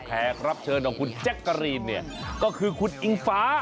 แขกรับเชิญของคุณแจ๊กกะรีนเนี่ยก็คือคุณอิงฟ้า